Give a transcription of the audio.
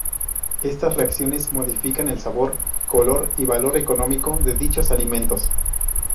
Estas reacciones modifican el sabor, color y valor económico de dichos alimentos.